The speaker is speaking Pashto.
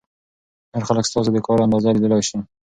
نور خلک ستاسو د کار اندازه لیدلای شي.